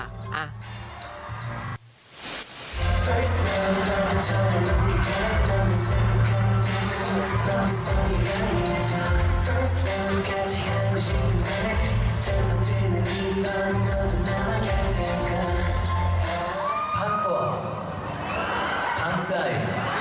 บ๊าคเกิร์บางทราย